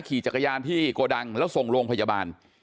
ขี่จักรยานที่โกดังแล้วส่งโรงพยาบาล